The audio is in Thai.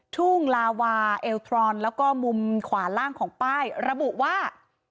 ทุ่งลาวาเอลทรอนแล้วก็มุมขวาล่างของป้ายระบุว่า